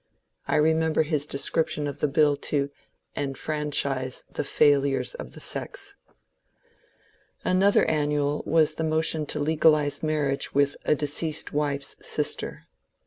I remember his description of the bill to ^^ enfranchise the failures of the sex." Another annual was the motion to legalize marriage with a deceased wife's sister.